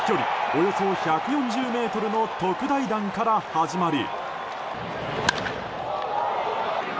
およそ１４０ｍの特大弾から始まり。